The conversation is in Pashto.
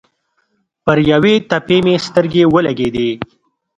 پر یوې تپې مې سترګې ولګېدې.